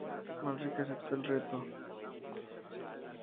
Manrique aceptó el reto.